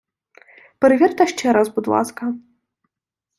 Перевірте ще раз, будь ласка!